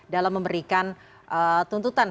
dalam memberikan tuntutan